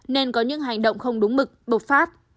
nên có những hành động không đúng mực bộc phát